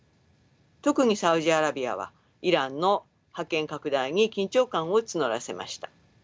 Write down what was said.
特にサウジアラビアはイランの覇権拡大に緊張感を募らせました。